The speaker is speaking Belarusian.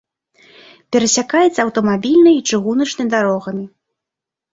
Перасякаецца аўтамабільнай і чыгуначнай дарогамі.